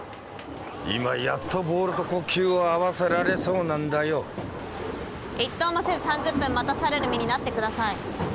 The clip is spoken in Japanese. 今やっとボールと呼吸を合わせられそうなんだよ一投もせず３０分待たされる身になってください